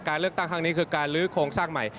เลือกตั้งครั้งนี้คือการลื้อโครงสร้างใหม่